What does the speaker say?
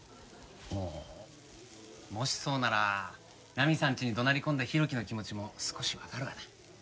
ああもしそうならナミさんちに怒鳴り込んだ浩喜の気持ちも少しわかるわな。